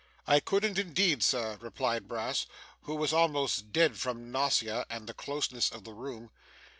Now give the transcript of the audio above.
'I couldn't indeed, Sir,' replied Brass, who was almost dead from nausea and the closeness of the room.